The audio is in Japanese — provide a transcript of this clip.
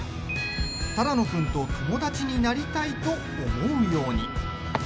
只野君と友達になりたいと思うように。